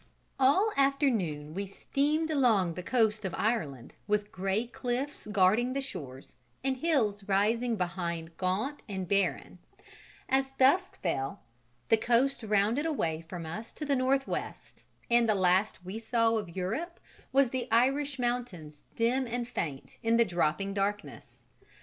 All afternoon we steamed along the coast of Ireland, with grey cliffs guarding the shores, and hills rising behind gaunt and barren; as dusk fell, the coast rounded away from us to the northwest, and the last we saw of Europe was the Irish mountains dim and faint in the dropping darkness.